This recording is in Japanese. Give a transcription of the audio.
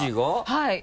はい。